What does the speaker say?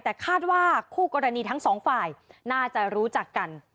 แต่คาดว่าคู่กรณีทั้งสองฝ่ายน่าจะรู้จักกัน